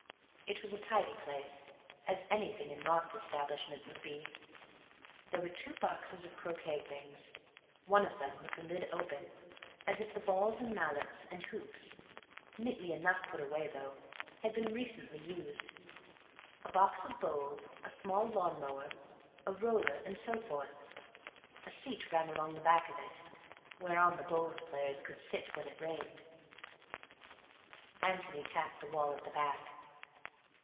It was a tidy place—as anything in Mark's establishment would be. There were two boxes of croquet things, one of them with the lid open, as if the balls and mallets and hoops (neatly enough put away, though) had been recently used; a box of bowls, a small lawn mower, a roller and so forth. A seat ran along the back of it, whereon the bowls players could sit when it rained. Antony tapped the wall at the back.